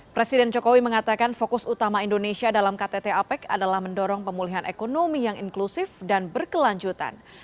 presiden jokowi mengatakan fokus utama indonesia dalam ktt apec adalah mendorong pemulihan ekonomi yang inklusif dan berkelanjutan